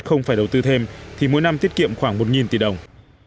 nếu không phải đầu tư thêm thì mỗi năm tiết kiệm khoảng một tỷ đồng